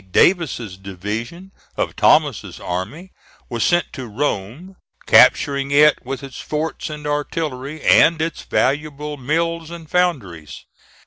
Davis's division of Thomas's army was sent to Rome, capturing it with its forts and artillery, and its valuable mills and foundries.